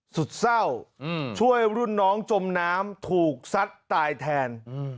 สุดเศร้าช่วยรุ่นน้องจมน้ำถูกซัดตายแทน